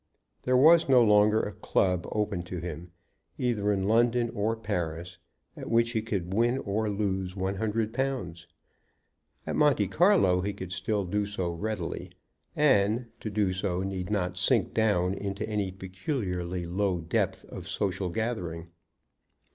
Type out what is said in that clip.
There was no longer a club open to him, either in London or Paris, at which he could win or lose one hundred pounds. At Monte Carlo he could still do so readily; and, to do so, need not sink down into any peculiarly low depth of social gathering.